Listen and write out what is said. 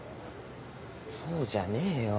そうじゃねえよ。